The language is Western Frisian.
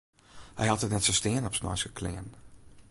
Hy hat it net sa stean op sneinske klean.